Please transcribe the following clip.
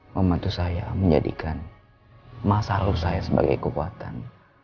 membantu saya menjadikan masalah saya sebagai kekuatan